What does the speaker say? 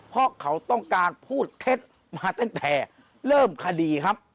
เพราะเขาต้องการพูดเท็จมาตั้งแต่เริ่มคดีครับ